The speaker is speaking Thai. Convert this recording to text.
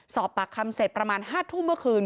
สอบปากคำเสร็จประมาณ๕ทุ่มเมื่อคืน